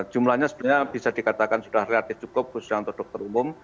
jumlahnya sebenarnya bisa dikatakan sudah relatif cukup khususnya untuk dokter umum